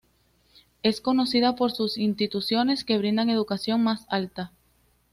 Es conocida por sus instituciones que brindan educación más alta.